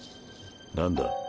何だ？